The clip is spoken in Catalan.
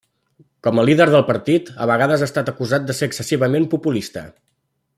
Com a líder del partit, a vegades ha estat acusat de ser excessivament populista.